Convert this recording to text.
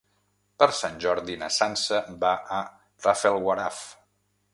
Per Sant Jordi na Sança va a Rafelguaraf.